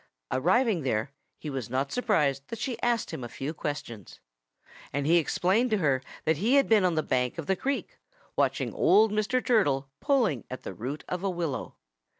Arriving there, he was not surprised that she asked him a few questions. And he explained to her that he had been on the bank of the creek, watching old Mr. Turtle pulling at the root of a willow.